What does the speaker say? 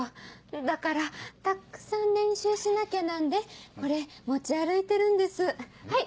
だからたっくさん練習しなきゃなんでこれ持ち歩いてるんですはい。